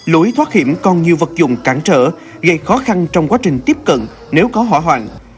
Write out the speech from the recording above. lối thoát hiểm còn nhiều vật dụng cản trở gây khó khăn trong quá trình tiếp cận nếu có hỏa hoạn